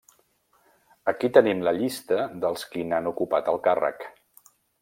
Aquí tenim la llista dels qui n'han ocupat el càrrec.